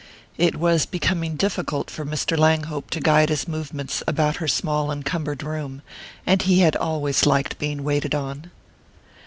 It was becoming difficult for Mr. Langhope to guide his movements about her small encumbered room; and he had always liked being waited on.